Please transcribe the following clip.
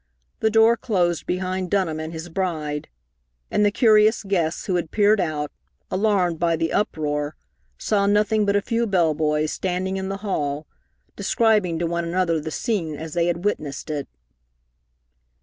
The door closed behind Dunham and his bride, and the curious guests who had peered out, alarmed by the uproar, saw nothing but a few bell boys standing in the hall, describing to one another the scene as they had witnessed it.